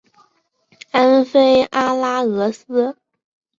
安菲阿拉俄斯。